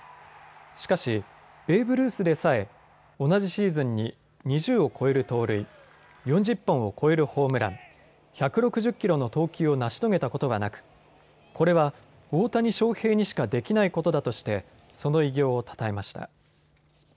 しかしベーブ・ルースでさえ同じシーズンに２０を超える盗塁、４０本を超えるホームラン、１６０キロの投球を成し遂げたことはなくこれは大谷翔平にしかできないことだとしてその偉業をたたえました。